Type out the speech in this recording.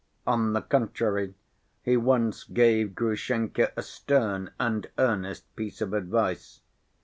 On the contrary, he once gave Grushenka a stern and earnest piece of advice.